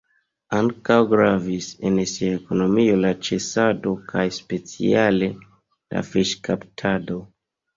Ankaŭ gravis en sia ekonomio la ĉasado kaj speciale la fiŝkaptado.